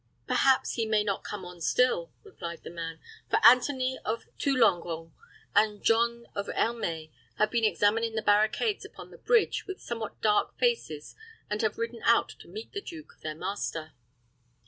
"Perhaps he may not come on still," replied the man; "for Anthony of Thoulongeon and John of Ermay have been examining the barricades upon the bridge with somewhat dark faces, and have ridden out to meet the duke, their master."